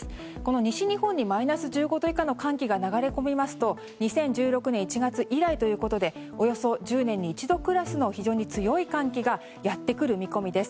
西日本にマイナス１５度以下の寒気が流れ込みますと２０１６年の１月以来ということでおよそ１０年に一度クラスの非常に強い寒気がやってくる見込みです。